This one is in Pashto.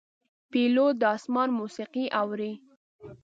پیلوټ د آسمان موسیقي اوري.